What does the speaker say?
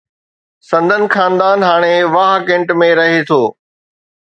سندس خاندان هاڻي واهه ڪينٽ ۾ رهي ٿو.